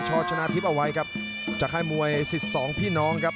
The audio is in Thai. ชอดชนะทริปอวัยครับจะเข้าให้มวย๑๕พี่น้องครับ